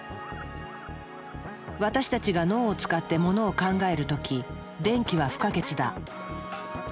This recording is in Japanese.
私たちが脳を使ってモノを考える時電気は不可欠だ。